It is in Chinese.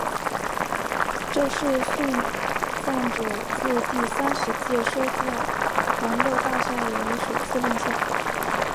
这是送葬者自第三十届摔角狂热大赛以来首次亮相。